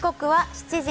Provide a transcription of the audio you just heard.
７時！